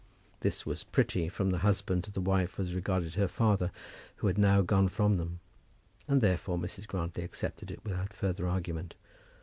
This was pretty from the husband to the wife as it regarded her father, who had now gone from them; and, therefore, Mrs. Grantly accepted it without further argument.